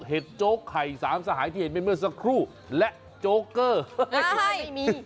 โจ๊กไข่สามสหายที่เห็นไปเมื่อสักครู่และโจ๊กเกอร์ใช่มี